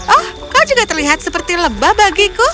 oh kau juga terlihat seperti lembah bagiku